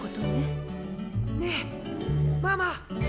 ・ねえママ！